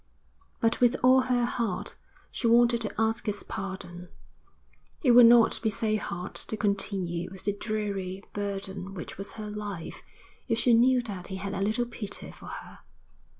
But with all her heart she wanted to ask his pardon. It would not be so hard to continue with the dreary burden which was her life if she knew that he had a little pity for her.